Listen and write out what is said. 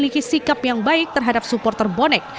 iwan setiawan memiliki sikap yang baik terhadap supporter bonek